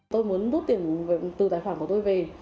tôi muốn rút tiền từ tài khoản của tôi về